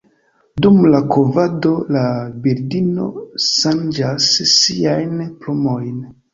Dum la kovado la birdino ŝanĝas siajn plumojn.